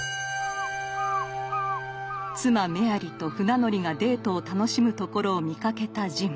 妻メアリと船乗りがデートを楽しむところを見かけたジム。